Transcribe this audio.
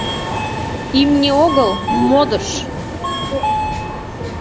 Имне огыл, модыш!